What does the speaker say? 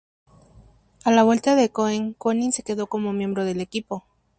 A la vuelta de Cohen, Koenig se quedó como miembro del equipo.